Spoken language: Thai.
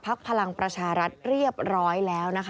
พักพลังประชารัฐเรียบร้อยแล้ว